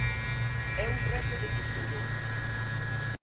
É un reto de futuro.